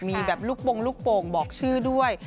มีแบบลูกโปรงบอกชื่อด้วย